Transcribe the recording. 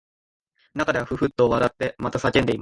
中ではふっふっと笑ってまた叫んでいます